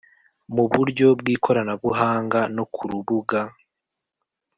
mu buryo bw ikoranabuhanga no ku rubuga